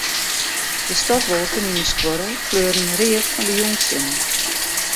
De stofwolken yn 'e skuorre kleuren read fan de jûnssinne.